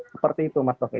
seperti itu mas taufik